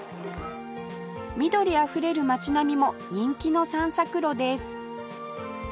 緑あふれる街並みも人気の散策路です